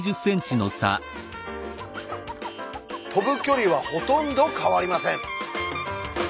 飛ぶ距離はほとんど変わりません。